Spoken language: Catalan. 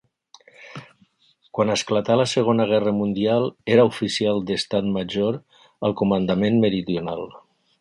Quan esclatà la Segona Guerra Mundial era oficial d'estat major al Comandament Meridional.